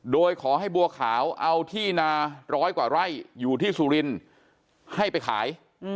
โดยขอให้บัวขาวเอาที่นาร้อยกว่าไร่อยู่ที่สุรินทร์ให้ไปขาย